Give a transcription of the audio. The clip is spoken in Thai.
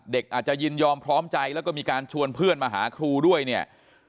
เด็กอาจจะยินยอมพร้อมใจแล้วก็มีการชวนเพื่อนมาหาครูด้วยเนี่ย